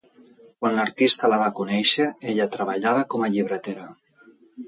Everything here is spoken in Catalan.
Quan l'artista la va conèixer, ella treballava com a llibretera.